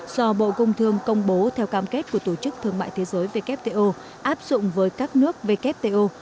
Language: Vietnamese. do bộ công thương công bố theo cam kết của tổ chức thương mại thế giới wto áp dụng với các nước wto